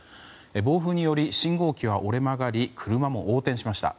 暴風により信号機は折れ曲がり車も横転しました。